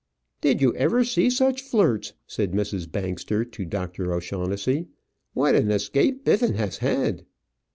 "Did you ever see such flirts?" said Mrs. Bangster to Dr. O'Shaughnessey. "What an escape Biffin has had!"